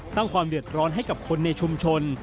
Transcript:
สร้างความเดือดร้อนให้กับคนในชุมชน